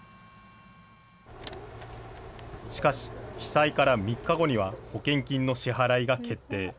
しかし、被災から３日後には保険金の支払いが決定。